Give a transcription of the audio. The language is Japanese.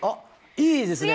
いいですね！